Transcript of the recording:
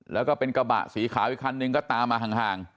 แล้วก็เป็นกระบะสีขาวอีกคันนึงก็ตามมาห่าง